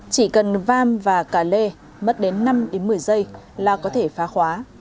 chỉ cần vam và cả lê mất đến năm một mươi giây là có thể phá khóa